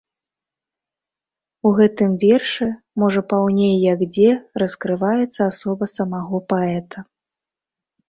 У гэтым вершы, можа, паўней як дзе раскрываецца асоба самога паэта.